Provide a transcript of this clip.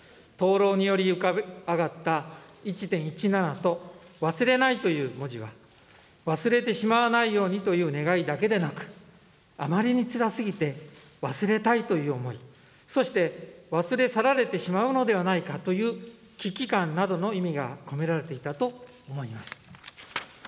灯籠により浮かび上がった１．１７と忘れないという文字は、忘れてしまわないようにという願いだけでなく、あまりにつらすぎて忘れたいという思い、そして忘れ去られてしまうのではないかという危機感などの意味が込められていたと思います。